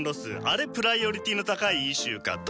あれプライオリティーの高いイシューかと。